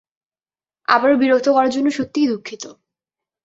আবারো বিরক্ত করার জন্য সত্যিই দুঃখিত।